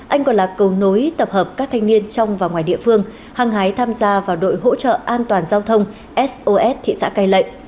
anh còn là cầu nối tập hợp các thanh niên trong và ngoài địa phương hằng hái tham gia vào đội hỗ trợ an toàn giao thông sos thị xã cây lệ